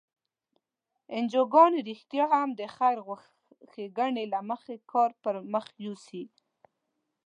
که انجوګانې رښتیا هم د خیر ښیګڼې له مخې کار پر مخ یوسي.